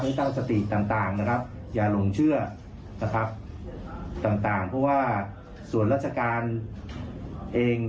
ไว้ตั้งสติต่างนะครับอย่าหลงเชื่อนะครับต่างผู้ว่าส่วนรัฐกาลเอง